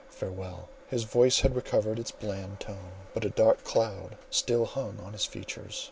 Farewell!" His voice had recovered its bland tone, but a dark cloud still hung on his features.